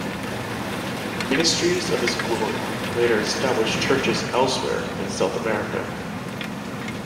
Ministries of His Glory later established churches elsewhere in South America.